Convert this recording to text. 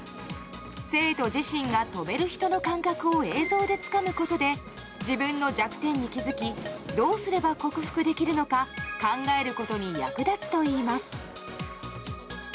生徒自身が跳べる人の感覚を映像でつかむことで自分の弱点に気づきどうすれば克服できるのか考えることに役立つといいます。